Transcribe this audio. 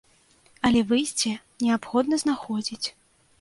Але выйсце неабходна знаходзіць.